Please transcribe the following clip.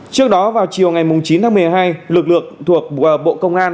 trước đó vào chiều ngày chín tháng một mươi hai lực lượng thuộc bộ công an